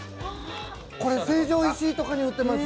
成城石井とかに売ってます。